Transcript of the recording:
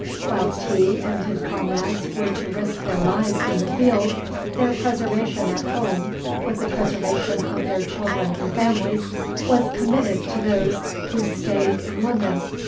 Whilst he and his comrades were to risk their lives in the field, their preservation at home, with the preservation of their children and families, was committed to those who stayed in London.